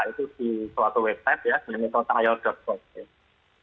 di suatu website ya namanya trial gov